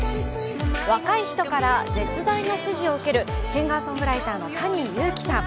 若い人から絶大な支持を受けるシンガーソングライターのＴａｎｉＹｕｕｋｉさん。